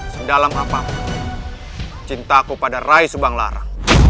sedalam apapun cintaku pada rai subang lara